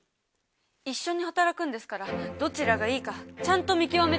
一緒に働くんですからどちらがいいかちゃんと見極めたいんです。